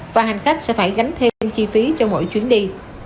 thêm chi phí cho mỗi chuyến đi